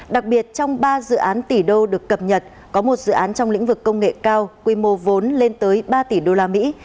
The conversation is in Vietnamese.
đặc biệt trong ba dự án tỷ đô được cập nhật có một dự án trong lĩnh vực công nghệ cao quy mô vốn lên tới ba tỷ đô la mỹ